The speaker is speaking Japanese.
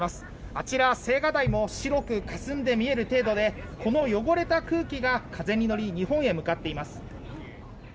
あちらの青瓦台も白くかすんで見える程度でこの汚れた空気が風に乗り日本へ向かっています。